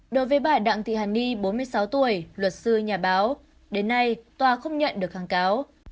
đối với bà đặng thị hàn ni bốn mươi sáu tuổi luật sư nhà báo đến nay tòa không nhận được kháng cáo